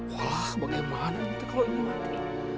wah bagaimana nanti kalau ini mati